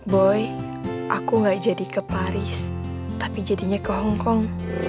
boy aku gak jadi ke paris tapi jadinya ke hongkong